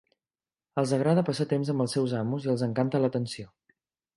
Els agrada passar temps amb els seus amos i els encanta l'atenció.